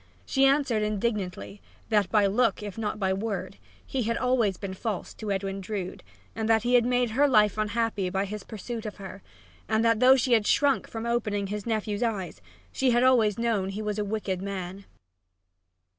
She answered indignantly that, by look if not by word, he had always been false to Edwin Drood; that he had made her life unhappy by his pursuit of her, and that, though she had shrunk from opening his nephew's eyes, she had always known he was a wicked man.